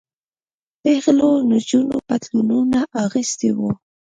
پيغلو نجونو پتلونونه اغوستي وو.